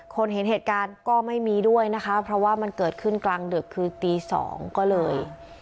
เห็นเหตุการณ์ก็ไม่มีด้วยนะคะเพราะว่ามันเกิดขึ้นกลางดึกคือตีสองก็เลย